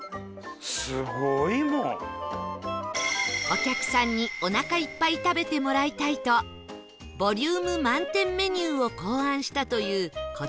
お客さんにおなかいっぱい食べてもらいたいとボリューム満点メニューを考案したというこちらのお店